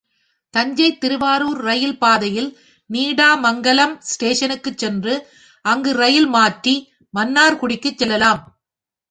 தஞ்சை திருவாரூர் ரயில் பாதையில் நீடாமங்கலம் ஸ்டேஷனுக்குச் சென்று அங்கு ரயில் மாற்றி மன்னார்குடிக்குச் செல்லலாம்.